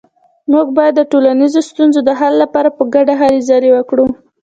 موږ باید د ټولنیزو ستونزو د حل لپاره په ګډه هلې ځلې وکړو